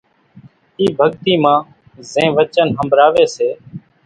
اِي ڀڳتي مان زين وچن ۿنڀراوي سي۔